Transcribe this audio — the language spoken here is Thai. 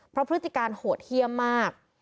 เพราะพฤติการโหดเยี่ยมมาก